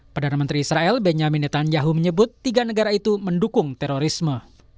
perdana menteri israel benjamin netanyahu menyebut tiga negara itu mendukung terorisme